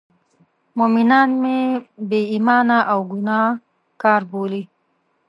مومنان مې بې ایمانه او ګناه کار بولي.